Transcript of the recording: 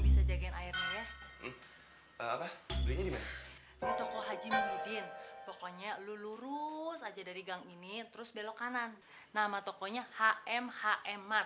belinya dimana pokoknya lurus aja dari gang ini terus belok kanan nama tokonya haem haem mat